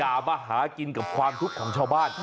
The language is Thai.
อย่ามาหากินกับความทุกข์ของชาวบ้าน